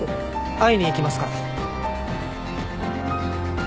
会いに行きますから。